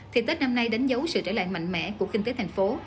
thì tết năm nay đánh dấu sự trở lại mạnh mẽ của kinh tế thành phố